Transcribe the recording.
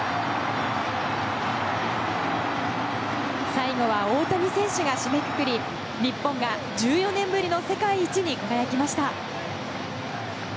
最後は大谷選手が締めくくり日本が１４年ぶりの世界一に輝きました。